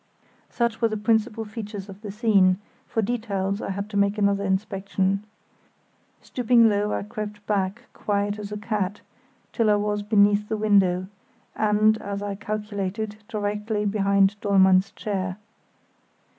Such were the principal features of the scene; for details I had to make another inspection. Stooping low, I crept back, quiet as a cat, till I was beneath the window, and, as I calculated, directly behind Dollmann's chair.